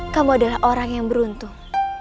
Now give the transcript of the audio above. kamu adalah orang yang beruntung